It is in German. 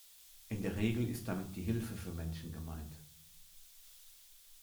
In der Regel ist damit die Hilfe für Menschen gemeint.